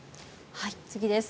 次です。